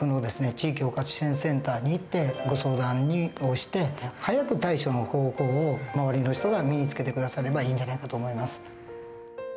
地域包括支援センターに行ってご相談をして早く対処の方法を周りの人が身につけて下さればいいんじゃないかと思います。